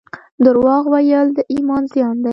درواغ ویل د ایمان زیان دی